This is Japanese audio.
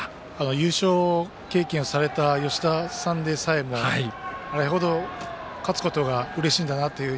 優勝を経験された吉田さんでさえもあれほど勝つことがうれしいんだなと。